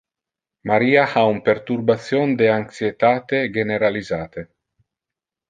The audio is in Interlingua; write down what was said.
Maria ha un perturbation de anxietate generalisate.